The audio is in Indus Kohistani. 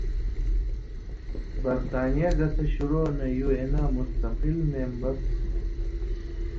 برطانیہ گتہ شروع نہ یُو اېناں مستقل مېمبر تُھو۔